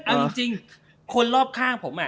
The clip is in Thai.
เอาจริงคนรอบข้างผม